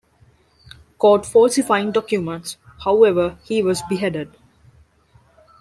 Caught falsifying documents, however, he was beheaded.